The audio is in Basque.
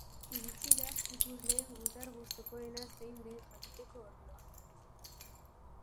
Iritsi da ikusleen gutar gustukoena zein den jakiteko ordua.